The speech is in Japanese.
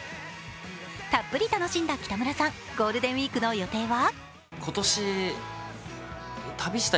たっぷり楽しんだ北村さん、ゴールデンウイークの予定は？